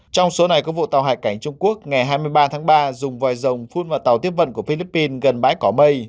trong số này có vụ tàu hải cảnh trung quốc ngày hai mươi ba tháng ba dùng vòi rồng phun vào tàu tiếp vận của philippines gần bãi cỏ mây